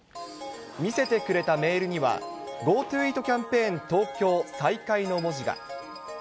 見せてくれたメールには、ＧｏＴｏＥａｔキャンペーンＴｏｋｙｏ再開の文字が。